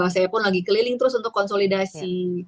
saya pun lagi keliling terus untuk konsolidasi